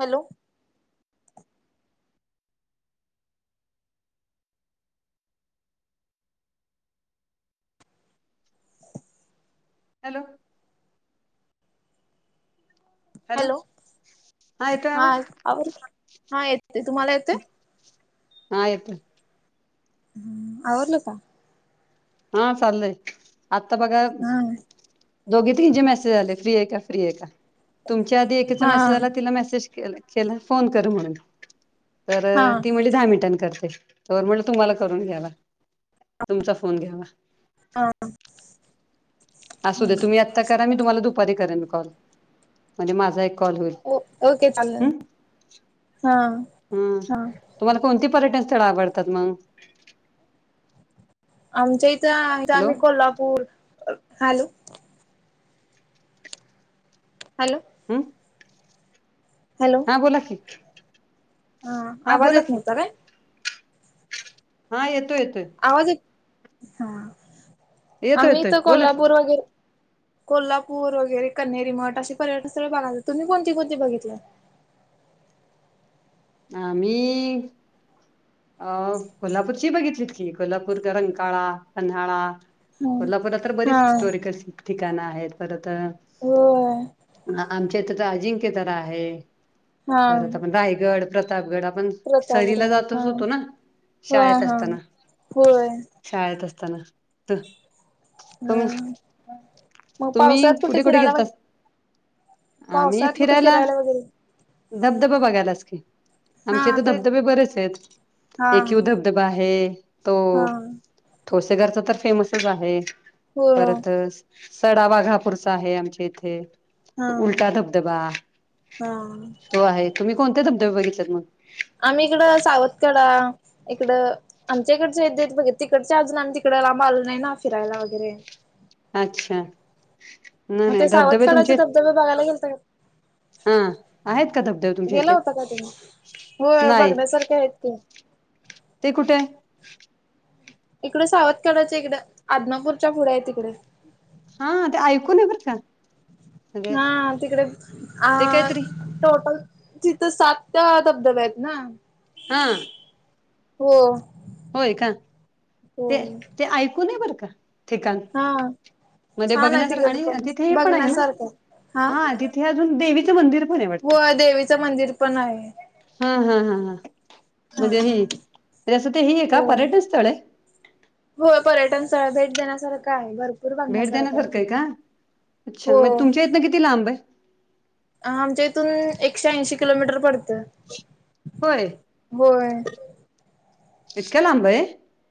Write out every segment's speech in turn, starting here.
Hello. Hello. Hello ह येतो हा आवाज? आवर हा येते तुम्हाला येते हा येतोय. हम्म आवरलं का? हा चाललंय आता बघा हा दोघे तीने मेसेज आले फ्री ए का फ्री आहे का तुमच्या आधी एकका हा मेसेज आला तिला मेसेज के केला फोन करू म्हणून तर हा ती म्हणजे दहा मिनिटां करते तर म्हलं तुम्हाला करून घ्यावा तुमचा फोन घ्यावा हा अस असू द्या तुम्ही आत्ता करा मी तुम्हाला दुपारी करेन कॉल म्हणजे माझा एक कॉल होईल ओके चालेल हम् हा हम हा तुम्हाला कोणती पर्यटन स्थळ आवडतात मग आमच्या इथं इथ हॅलो आम्ही कोल्हापूर हॅलो हॅलो हम हॅलो हां बोला की हा आवाज बोला येत की नव्हता काय हा येतोय येतोय आवाज य हा येतोय येतोय आम्हीथ बोला की कोल्हापूर वगैरे कोल्हापूर वगैरे कन्रीमठ अे पर्यटक स्थळे बघायात तुम्ही कोणती कोणती बघितले आम्ही अ कोल्हापूरची बघितलीत की कोल्हापूर रंकाळा पन्हाळा हा कोल्हापूरला तर हा बरीच हिस्टॉरिकल ठिकाणं आहेत परत होय आमच्या इथ अजिंक्य तर आहे हा परत पण रायगड प्रतापगड आपण सहलीला प्रतापगड जातच हा होतो ना हा शाळेत हा असताना होय शाळेत असताना तुम् हम् मग तुम्ही पावसात कुठे कुठे फिरायला व गेलता आम्ही पावसात कुठे फिरायला वगैरे धबधबा बघायलाच की हा आमचेथ ते धबधबे बरेच आहेत हा एकीव धबधबा आहे तो हा ठोसेघरच तर फेमसच आहे हो परतच सडा वाघापूरचा आहे आमच्या इथे हा उलटा धबधबा हा तो आहे तुम्ही कोणते धबधबे बघितलेत मग आम्ही इकडं सावतकडा इकडं आमच्याकडचे बघ तिकडच्या अजून आम्ही तिकडं लांब आलो नाही ना फिरायला वगैरे अच्छा नाही मग ते नाही धबधबे सावतकाडाचे तुमचे धबधबे बघायला गेलता का हा आहेत का धबधब तुमच्या गेला होता का तुम्ही इथे होय नाही बघण्यासारखे आहेत की ते कुठे इकडे सावतखडाच इकडे आदनापूरच्या पुढे आहे तिकडे हा ते ऐकून बर का म्हणजे हा तिकडे अ ते काहीतरी टोटल तिथं सात त्या धबधब्या आहेत ना हा हो होय का हो ते ते ऐकून ये बरं का ठिकाण हा मध्ये छान आहे बघण्यासारख तिकड आणि पण आदथ हे पण आहे ना बघण्यासारखं हा आ अजून देवीचं मंदिर पण व आवटत देवीचं मंदिर पण आहे हा हा हा हा हा म्हणजे ह असं ते ह आहे का हो पर्यटन स्थळ आहे हो पर्यटन स्थळ भेट देण्यासारखं आहे भरपूर भेट बघण्यासारखं देण्यासारखं आहे तिथे का अच्छा हो मग तुमच्या इथनं किती लांब आहे आमच्या इथून एकशे ऐंशी किलोमीटर पडतं होय होय इतक्या लांब आहे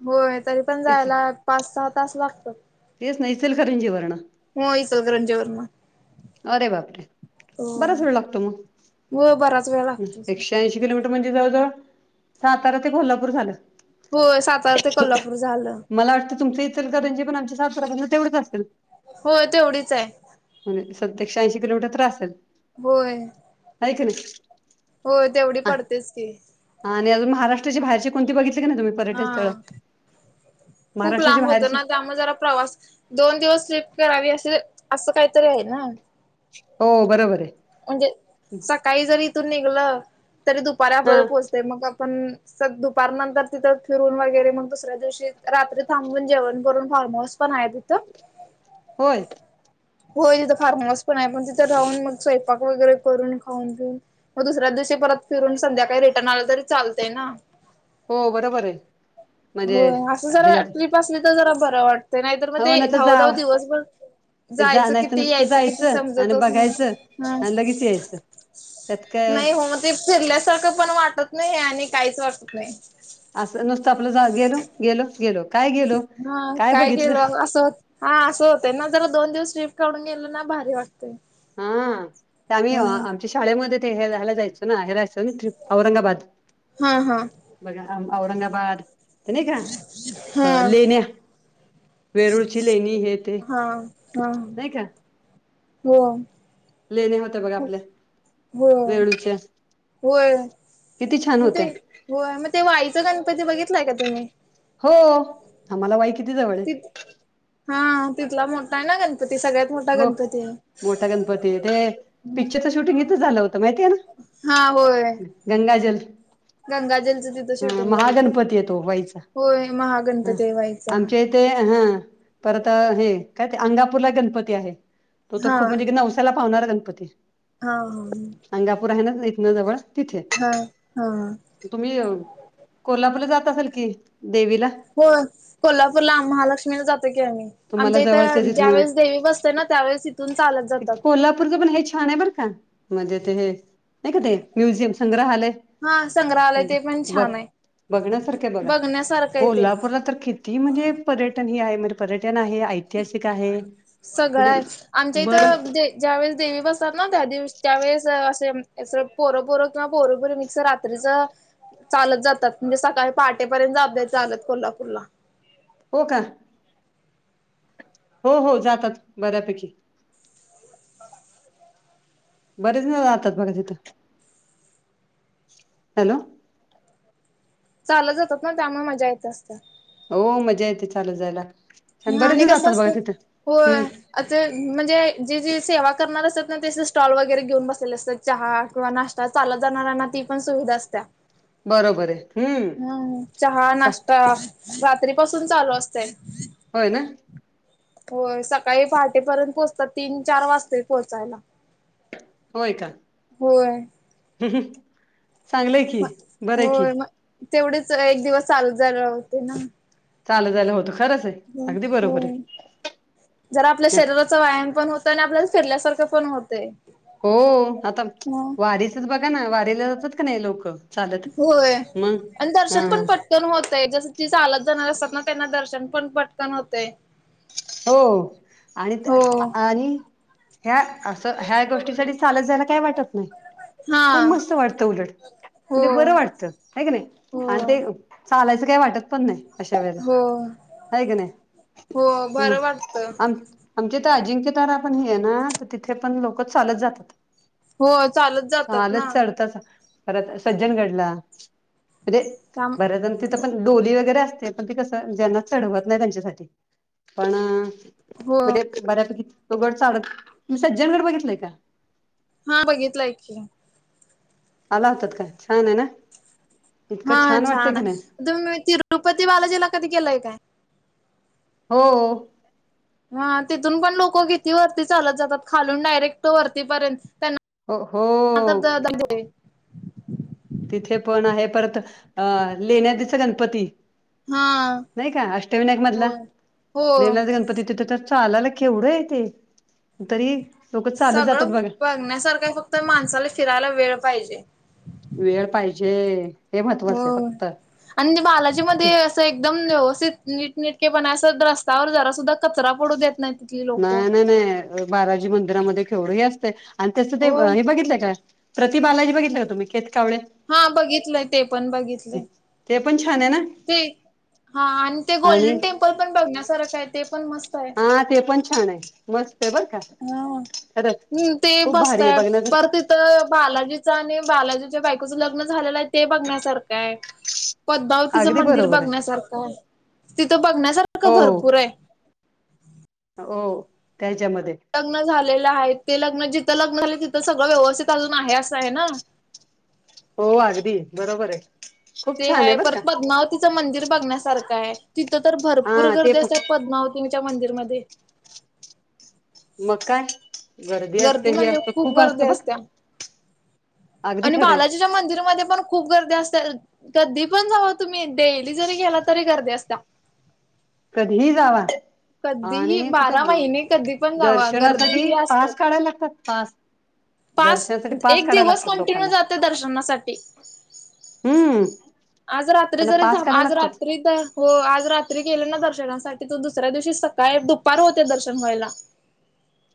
होय तरी पण जायला पाच सहा तास लागतात हेच नाहीैसेल खरंजी वर्ण हो सल का रंजव वर्मा अरे बापरे बराच वेळ लागतो हो बराच वेळ मग लागतो एकशे ऐंशी किलोमीटर म्हणजे जवळ जवळ सातारा ते कोल्हापूर झालं. होय सातारा ते कोल्हापूर झालं मला वाटतं तुमच इतर गजे पण आमचे सात तेवढंच असल हो तेवढीच आहे. म्ह सत्यश ऐंशी किलोमीटर तर असेल. होय. का ना [inaudible] हो तेवढी पडतेच की, आणि महारा्ष्टच्या बाहेरची कोणती बघितली का नाही तुम्ही पर्यटन स्थळ हा खूप महाराष्ट्राची लांब होत बाहेरची ना त्यामुळे जरा प्रवास दोन दिवस स्लिप करावी असे असं काहीतरी आहे ना, हो बरोबर आहे. म्हणजे सकाळी जरी इथून निघलं तरी दुपारी हा आपल्याला पोहोचतेय मग आपण सग दुपारनंतर तिथ फिरून वगैरे मग दुसऱ्या दिवशी रात्री थांबून जेवण करून फॉर्म हाऊस पण आहे तिथं अ होय. होय तिथं फार्मस पण आहे पण तिथे राहून मग स्वयंपाक वगैरे करून खाऊन पिऊन मग दुसऱ्या दिवशी परत फिरून संध्याकाळी रिटर्न आलं तरी चालतंय ना हो बरोबर आहे. म्हणजे होय असं जरा ह्याच्यात ट्रीप असली तर जरा बरं वाटत नाहीतर मग हो ते ना तर जाव धावधाव दिवसभर ते जायचं जाण्याचं किती नुसतं यायचं किती जायचं आणि समजतच नाही. बघायचं हा आणि लगेच यायचं. त्यात काय नाही हो मग ते फिरल्यासारखं पण वाटत नाही आणि काहीच वाटत नाही. असं नुसतं आपलं जा गेलो गेलो गेलो काय ग हा काय केल असंत. हा असं होतं ना जरा दोन दिवस शिफ्ट काढून गेल ना भारी वाटते. हा आम्ही आमच्या शाळेमध्ये ते हेला जायचो ना हेरायचो औरंगाबाद हा हा बघा औरंगाबाद तर नाही का. अ हा लेण्या, वेरूळची लेणी, हे ते हा हा हा नाही का. हो लेणे होते बघा आपले. हो वय किती छान म ते होत्या [inaudible] होय मग ते वाईचं गणपती बघितलाय का तुम्ही? हो आम्हाला वाई किती जवळ आहे ति हा तिथला मोठा आहे ना गणपती सगळ्यात. मोठा हो गणपती आहे मोठा गणपती आहे ते. पिक्चरच शूटिंग इथ झालं होतं माहिती आहे हा होय ना गंगाजल. गंगाजलचं तिथं ह शूटिंग झालंय महागणपती येतो वईचा होय ह महागणपती व्हायचा आमच्या. ते हा परत हे काय ते अंगापूरला गणपती आहे. तो तर हा खूप म्हणजे नवसाला पावणारा गणपती. हा ह. अंगापूर आहे ना यत ना जवळ. तिथे हा हा. तुम्ही कोल्हापूरला जात असाल की देवीला. हो कोल्हापूरला महालक्ष्मीला जातो की आम्ही. तुम्हाला आमच्या जवळच इथं तिथनं ज्यावेेळेस देवी बसते ना त्यावेेळेस इथून चालत जातात. कोल्हापूर पण हे छान आहे. का मध्ये ते नाही का ते म्युझियम संग्रहालय. हा संग्रहालय ते पण बघ छान आहे बघण्यासारख्या बघा बघण्यासारखं आहे ते कोल्हापूरला तर खि. ती म्हणजे पर्यटन ही आहे म्हजे पर्यटन आहे. ऐतिहासिक आहे म्हणजे बर. ज्या वेळे देवी बसतात ना त्या दिवशी त्यावेेळेस असे अस पोरं पोरं किंवा पोरपोर मिक्सर राह. चालत जातात म्हणजे सकाळी पहाटेपर्यंत आपल्या चालत कोल्हापूरला. हो का. हो हो जातात बऱ्यापैकी. बरेच ना राहतात बघा तिथं. हॅलो. चाल जातात ना त्यामुळे मजा येत असतात. हो मजा येते चालू जायला. छान बरेच आणि जण कसं जातात बघा असत तिथं होय. हम्म अस म्हणजे जे जे सेवा करणार असतात ना ते स्टॉल वगैरे घेऊन बसलेले असतात. चहा किंवा नाश्ता चालत जाणाऱ्यांना ती पण सुविधा असत. बरोबर आहे हम्म हम् चहा चा नाश्ता. रात्रीपसून चालू असते. होय ना. हो सकाळी पहाटेपर्यंत पोहोचतात तीन चार वाजता पोहोचायला. होय का. होय. चांगलंय की बरं आहे की होय मग तेवढेच एक दिवस चालू झाला होते ना. चाल झालं होतं खरंच आहे. ब अगदी हो. बरोबर आहे जरा आपल्या शरीराचा व्यायाम पण होत आणि आपल्या फिरल्यासारखं पण होते. हो आता वारीचच बघा ना वारीला जातात का नाही लोक. चालत होय मग आणि दर्शन हा पण पड. पटकन होत जस ती चालत जाणार असतात ना त्यांना दर्शन पण पटकन होतय. हो आणि हो. आणि ह्या. असं ह्या गोष्टीसाठीठी चालत जायला काही वाटत नाही. खूप हा. मस्त वाटतं उलट हो म्हणजे बरं वाटतं. नाही की नाही हो आणि ते चालायचं काही वाटत पण नाही. अशा वेळेला हो. ह ग हो नाही बरं वाटत आम. आमचे तर अजिंक्य तारा पण हे ना तर तिथे पण लोक चालत जातात. हो चालत जातात चालच ना. चढताच. खत सज्जन घडला म्हणजे थांब भरतन तिथं पण. डोली वगैरे असते पण ती कसं ज्यांना चढवत नाही त्यांच्यासाठी. पण हो. बर्या बऱ्यापैकी तो गड चाडत मी सज्जन गड बघितलंय का. हा बघितला की. आला होतात का छान आहे ना. हा इतकं वाटतंय छान का नाही? आहे तुम् तिरुपती बालाजीला कधी केलंय काय? हो हा तिथून पण लोक घिती वरती चालत जातात खालून डायरेक्ट वरतीपर्यंत त्यांना. हो. खम होय. तिथे पण आहे परत अ लेण्या दिच गणपती. हा नाही का अष्टविनायक मधला होय हो वनाथ गणपती तिथं तर. चालायला केवढं आहे ते तरी लोक चाल जातात बघा. बगण्यासारखा फक्त माणसाला फिरायला वेळ पाहिजे. वेळ पाहिजे हे महत्त्वाचं आहे हो फक्त आणि बालाजी मध्ये. एकदम व्यवस्थित नीट नटके पणा अस रस्ता्यावर जरा सुद्धा... कचरा पडू देत नाही तिथली लोक नाही नाही नाही बाराजी मंदिरामध्ये खेवळ ह असते आणि तसं ते होय हे बघितलंय का प्रतिभलाजी बघितलं का तुम्ही केेत कावळेल हा बघितलंय ते पण बघितलंय ते पण छान आहे ना ते हा आणि ते गोल्डन टेम्पल पण बघण्यासारखं आहे ते पण मस्त आहे हा ते पण छान आहे मस्त आहे बरं का खरंच हा् ते खूप भारी आहे बसतय बघण्याच परत तर बालाजीच आणि बालाजीच्या बायकोचं लग्न झालेलं आहे ते बघण्यासारखं आहे पद्मावतीचं अगदी मंदिर बरोबर आहे बघण्यासारखं आहे तिथं बघण्यासारखं हो भरपूर आहे हो त्याच्यामध्ये लग्न झालेलं आहे ते लग्न जिथं लग्न झाले तिथं सगळं व्यवस्थित अजून आहे असं आहे ना हो अगदी बरोबर आहे खूप ते छान आहे बरं का परत पद्मावतीचं मंदिर बघण्यासारखं आहे तिथं तर भरपूर हा ते गर्दी अस पण आहे पद्मावती तुमच्या मंदिरमध्येध्ये मका गर्दी म्हणजे खूप गर्दी असत्या अगदी आणि खरंय बालाजीच्या मंदिरमध्ये पण खूप गर्दी असत कधी पण जाव तुम्ही डेली जरी गेला तरी गर्दी असता ह कधीही जावा आणि तथ बारा महिने कधी पण जावा गर्दी ही दर्शनासाठी असतात. पाच काढय लागतात पा पाच एक दिवस कंटिन्यू लोकांना जाते दर्शनासाठी हम्म आज रात्री त्यांना जरी पास काढायला आज लागतात रात्री तर हो आज रात्री गेले ना दर्शनासाठी तो दुसऱ्या दिवशी सकाळी दुपार होते दर्शन व्हायला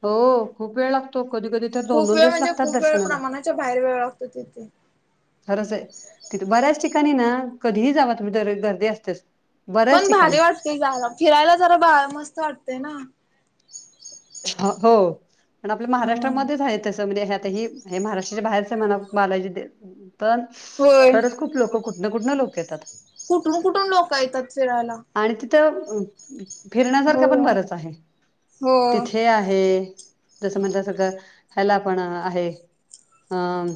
हो खूप वेळ लागतो कधी कधी तर दोन खूप दोन वेळ दिवस म्हणजे लागतात खूप वेळ दर्शनाला प्रमाणाच्या बाहेर वेळ लागतो तिथे. खरंच आहे तिथे बऱ्याच ठिकाणी ना कधीही जावा तुम्ही तर गर्दी असतेस पण भारी वाटते जाला फिरायला जरा बा मस्त वाटते ना हो पण आपल्या हम्म महाराष्ट्रामध्येच आहे हे महाराष्ट्राच्या बाहेर म्ह बालाजी पण होय. खरच खूप लोकं कुठन कुठं लोक येतात कुठून कुठून लोक येतात फिरायला आणि तिथं हो फिरण्यासारखं पण बरंच आहे हो तिथे आहे जसं म्हणलं सळं ह्याला पण आहे हम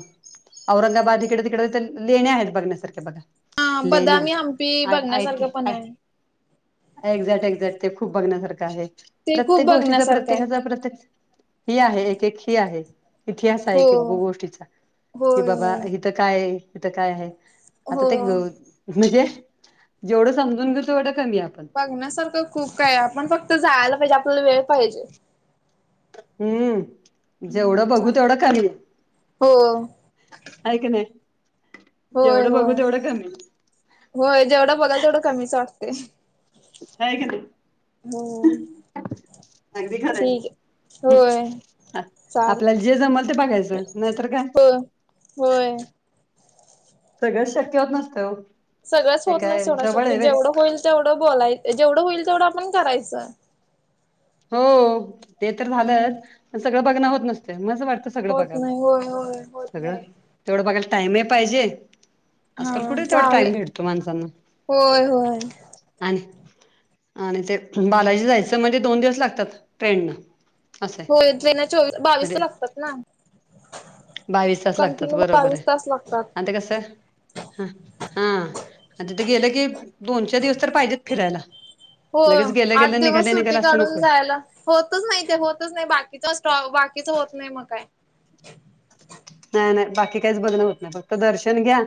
औरंगाबाद इकडे तिकडे लेणे आहेत बघण्यासारखे बघा हा लेण्या बदामी हंपी आ आय बघण्यासारखं ते पण आहे. एक्झॅक्ट एक्झॅक्ट ते खूप बघण्यासारखं आहे ते खूप प्रत्येक गोष्टीचा बघण्यासारखं आहे. प्रत्येकाचा प्रत्येक ही आहे एक एक ही आहे इतिहास आहे हो एक एक गोष्टीचा की होय बाबा होय. तीथं काय हिथं काय हाय आता हो ते म्हजे जेवढं समजून घेऊ तेवढं कमी आपण. बघण्यासारखं खूप काय आपण फक्त जायला पाहिजे. आपल्याला वेळ पाहिजे. हम्म हम्म जेवढं बघू चालेल. तेवढं कमी. हो हाय की नाय. होय, होय, होय जेवढं बोलाल तेवढं कमीच वाटतय. आहे की नाही हो अगदी खरंय. ठीक आहे [unintelligible] होय चालेल आपल्याला जे जमल ते बघायचं, नाहीतर काय. होय होय. सगळं शक्य होत नसतंवो. सगळंच होत नाही सोडाय शक्य जेवढं होईल तेवढं बोलायच. जेवढं होईल तेवढं आपण करायचं. हो, ते तर हम्म झालंच पण सगळं बघणं होत नसतंय मस वाटत सगळं होत बघाव. नाही होय होय होत सगळं नाही तेवढं बघायला टाइम ही पाहिजे. हा आजकाल कुठे तेवढा चालेल टाइम भेटतो माणसांना. होय होय आणी-आणी ते बालाजी जायचं म्हणजे दोन दिवस लागतात ट्रेंनन. होय तेंना चोवीस, बावीस तास लागतात ना? बावीस तास लागतात कंटिन्यू बरोबर बावीस हाय तास लागतात आणि ते कसं हं हां अन तिथ गेलं की दोन, चार दिवस तर पाहिजेत फिरायला. हो लगेच गेलं आठ गेलं दिवस निघालं सुट्टी निघालं असं काढून नकोय जायला होतच नाही ते होतच नाही बाकीच अस बाकीच होत नाही मग काय नाही नाही बाकी काहीच बघण होत नाही फक्त दर्शन घ्या